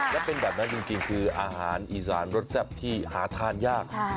และเป็นแบบนั้นจริงคืออาหารอีสานรสแซ่บที่หาทานยาก